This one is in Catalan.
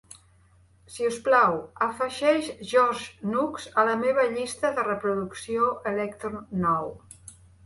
Si us plau, afegeix George Nooks a la meva llista de reproducció electronow.